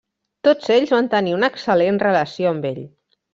Tots ells van tenir una excel·lent relació amb ell.